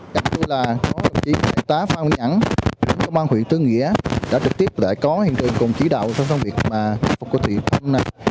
đặc biệt là có đồng chí nguyễn phạm văn nhãn công an huyện tư nghĩa đã trực tiếp lại có hình trình cùng chỉ đạo trong việc phục vụ thủy quân này